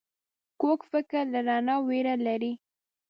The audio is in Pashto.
کوږ فکر له رڼا ویره لري